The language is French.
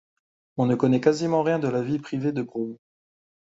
On ne connaît quasiment rien de la vie privée de Brome.